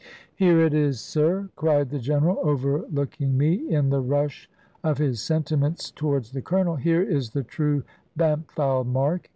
"Here it is, sir," cried the General, overlooking me, in the rush of his sentiments towards the Colonel: "here is the true Bampfylde mark.